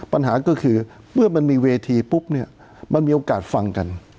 ปัญหาก็คือเมื่อมันมีเวทีปุ๊บเนี่ยมันมีโอกาสฟังกัน